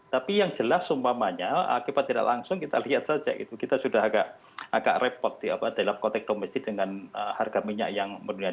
tapi yang jelas umpamanya akibat tidak langsung kita lihat saja kita sudah agak repot dalam konteks domestik dengan harga minyak yang menurun